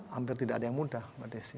hampir tidak ada yang mudah mbak desi